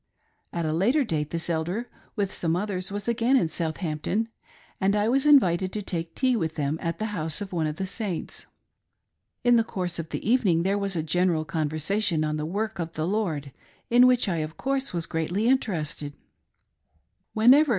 At a later date this Elder, with some others, was again in Southampton, and I was invited to take tea with them at the house of one of the Saints. . In the course of the evening there was a general conversation on " the work of the Lord," in which I, of course, was greatly interested. Whenever g.